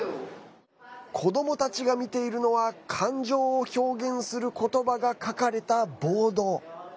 子どもたちが見ているのは感情を表現することばが書かれたボード。